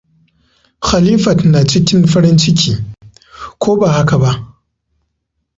Khalifat na cikin farinciki, ko ba haka ba?